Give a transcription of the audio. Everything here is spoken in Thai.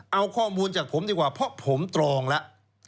เอาข้อมูลจากผมดีกว่าเพราะผมตรองแล้ว